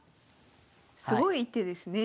すごい一手ですね。